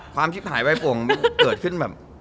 ความชิบหายวายปวงเกิดขึ้น